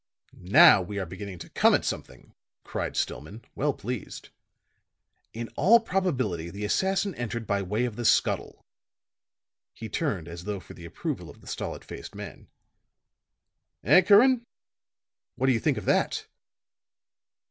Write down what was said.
"Now we are beginning to come at something," cried Stillman, well pleased. "In all probability the assassin entered by way of the scuttle." He turned as though for the approval of the stolid faced man. "Eh, Curran? What do you think of that?"